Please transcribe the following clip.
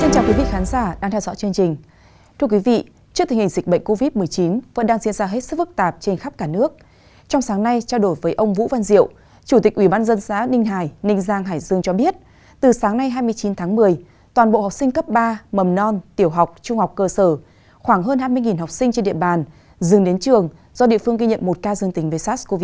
chào mừng quý vị đến với bộ phim hãy nhớ like share và đăng ký kênh của chúng mình nhé